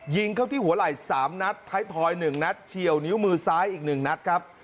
ยิงเข้าที่หัวไหล่สามนัดท้ายถอยหนึ่งนัดเฉียวนิ้วมือซ้ายอีกหนึ่งนัดครับ